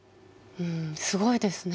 うんすごいですね。